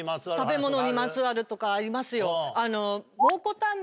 食べ物にまつわるとかありますよ。